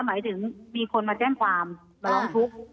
หมายถึงมีคนมาแจ้งความมาร้องทุกข์